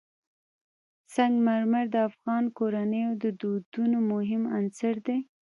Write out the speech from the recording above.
سنگ مرمر د افغان کورنیو د دودونو مهم عنصر دی.